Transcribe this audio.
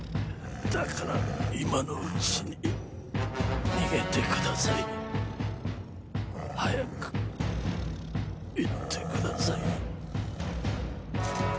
だから今のうちに逃げてください。早く行ってください。